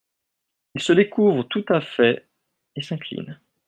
Il se découvre tout à fait et s’incline.